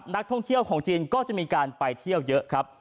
นักท่องเที่ยวของจีนก็จะมีการไปเที่ยวเยอะครับ